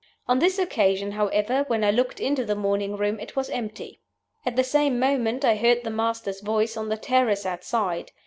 "On this occasion, however, when I looked into the Morning Room it was empty. "At the same moment I heard the master's voice on the terrace outside.